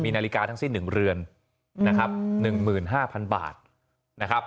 มีนาฬิกาทั้งสิ้น๑เรือนนะครับ๑๕๐๐๐บาทนะครับ